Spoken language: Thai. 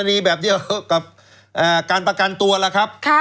ดีแบบเดียวกับการประกันตัวล่ะครับ